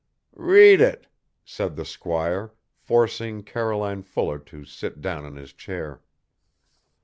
"Read it," said the squire, forcing Caroline Fuller to sit down in his chair.